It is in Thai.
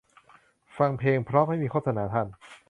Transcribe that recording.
ฟังเพลงเพราะไม่มีโฆษณาคั่น